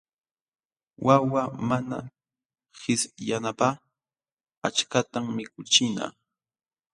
Wawa mana qishyananpaq achkatam mikuchina.